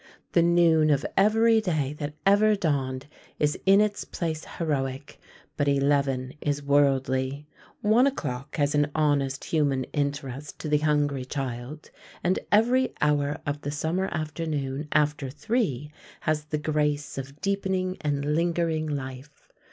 The noon of every day that ever dawned is in its place heroic; but eleven is worldly. One o'clock has an honest human interest to the hungry child, and every hour of the summer afternoon, after three, has the grace of deepening and lingering life.